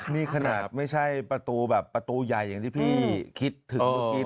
นี่ขนาดไม่ใช่ประตูแบบประตูใหญ่อย่างที่พี่คิดถึงเมื่อกี้